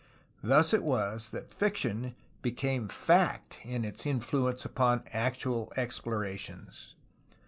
Thus it was that fiction became fact in its influence upon actual explorations.